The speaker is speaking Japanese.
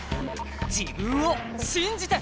自分を信じて！